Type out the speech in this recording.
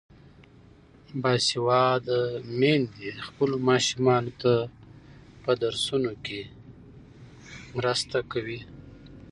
باسواده میندې خپلو ماشومانو ته په درسونو کې مرسته کوي.